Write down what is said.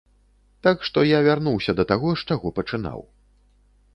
Так што я вярнуўся да таго, з чаго пачынаў.